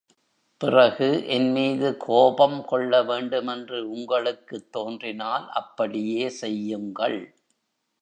பிறகு என்மீது கோபம் கொள்ளவேண்டுமென்று உங்களுக்குத் தோன்றினால் அப்படியே செய்யுங்கள்.